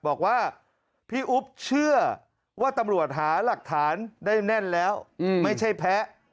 บอกว่าพี่อุ๊บเชื่อว่าตำรวจหาหลักฐานได้แน่นแล้วไม่ใช่แพ้